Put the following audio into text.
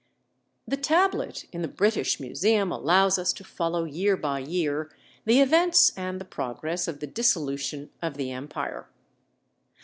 The tablet in the British Museum allows us to follow year by year the events and the progress of the dissolution of the empire.